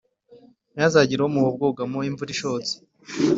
ntihazagire umuha ubwugamo imvura ishotse;